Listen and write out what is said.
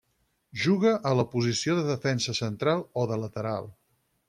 Juga a la posició de defensa central o de lateral.